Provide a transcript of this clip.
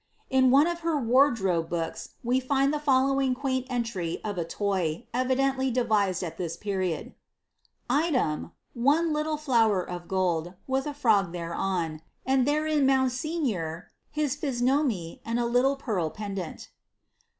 In one of her wardrobe books we find the following quaint entry of a toy, evidently devisea ac tnis period :— ^liem« one little flower of gold, with a frog thereon, hhd therein moun leer, his phisnomye^ and a little pearl pendant."